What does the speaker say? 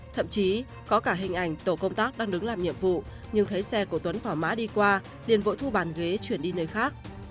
thậm chí có cả hình ảnh tổ công tác đang đứng làm nhiệm vụ nhưng thấy xe của tuấn thỏa mã đi qua liền vội thu bàn ghế chuyển đi nơi khác